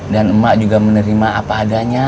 dan emak juga menerima apa adanya